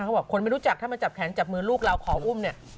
เขาบอกคนไม่รู้จักถ้ามาจับแขนจับมือลูกเราขออุ้มเนี่ย